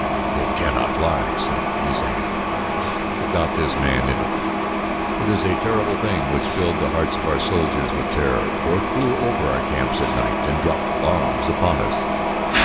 "It cannot fly," said Usanga, "without this man in it. It is a terrible thing which filled the hearts of our soldiers with terror, for it flew over our camps at night and dropped bombs upon us.